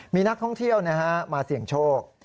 มีนักท่องเที่ยวมาเสี่ยงโชค